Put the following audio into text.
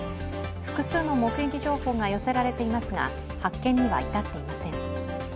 複数の目撃情報が寄せられていますが発見には至っていません。